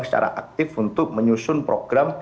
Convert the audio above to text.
secara aktif untuk menyusun program